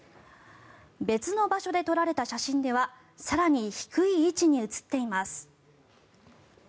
別の場所で撮られた写真では更に低い位置に写っています。